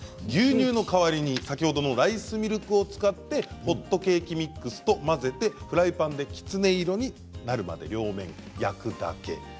牛乳の代わりに先ほどのライスミルクを使ってホットケーキミックスと混ぜてフライパンできつね色になるまで両面焼くだけ。